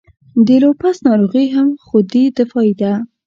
د لوپس ناروغي هم خودي دفاعي ده.